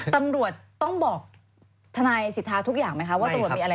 ตำรวจต้องบอกทนายสิทธาทุกอย่างไหมคะ